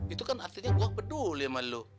itu kan artinya gue peduli sama lo